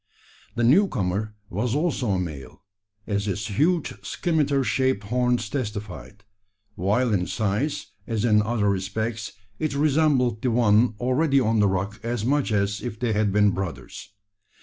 The new comer was also a male, as its huge scimitar shaped horns testified; while in size, as in other respects, it resembled the one already on the rock as much as if they had been brothers.